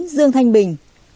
chín dương thanh bình